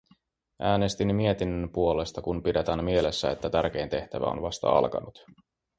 Äänestin mietinnön puolesta, kun pidetään mielessä, että tärkein tehtävä on vasta alkanut.